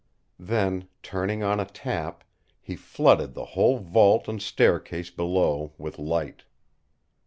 Then, turning on a tap, he flooded the whole vault and staircase below with light.